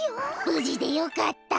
ぶじでよかった。